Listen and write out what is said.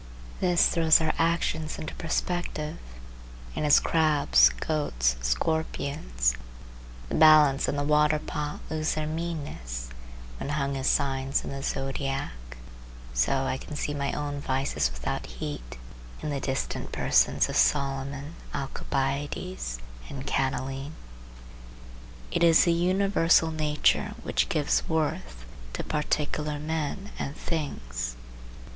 This throws our actions into perspective; and as crabs, goats, scorpions, the balance and the waterpot lose their meanness when hung as signs in the zodiac, so I can see my own vices without heat in the distant persons of Solomon, Alcibiades, and Catiline. It is the universal nature which gives worth to particular men and things.